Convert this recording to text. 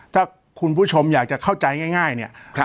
ถ้าคุณผู้ชมอยากจะเข้าใจง่ายเนี่ย